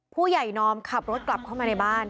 ผู้ใหญ่นอมขับรถกลับเข้ามาในบ้าน